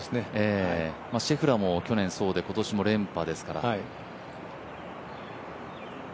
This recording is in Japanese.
シェフラーも去年そうで今年も連覇ですから。